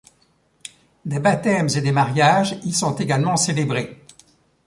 Des baptêmes et des mariages y sont également célébrés.